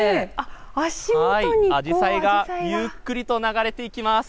足元にアジサイがアジサイがゆっくりと流れていきます。